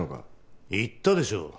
言ったでしょう。